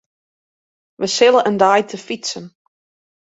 Wy sille in dei te fytsen.